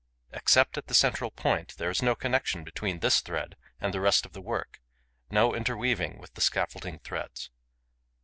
Except at the central point, there is no connection between this thread and the rest of the work, no interweaving with the scaffolding threads.